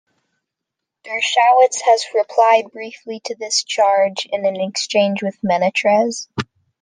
Dershowitz has replied briefly to this charge, in an exchange with Menetrez.